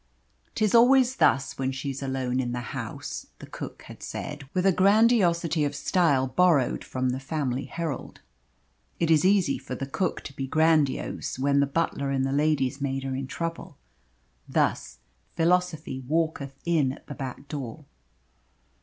"'Tis always thus when she's alone in the house," the cook had said, with a grandiosity of style borrowed from the Family Herald. It is easy for the cook to be grandiose when the butler and the lady's maid are in trouble. Thus philosophy walketh in at the back door.